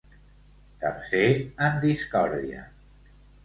Tercer en discòrdia.